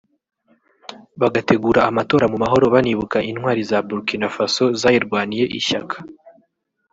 bategura amatora mu mahoro banibuka intwari za Burkina Faso zayirwaniye ishyaka